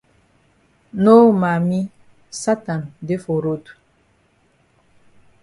No mami Satan dey for road.